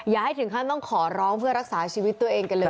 อย่าให้ถึงขั้นต้องขอร้องเพื่อรักษาชีวิตตัวเองกันเลย